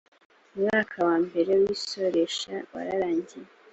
umwaka wa mbere wisoresha wararangiye.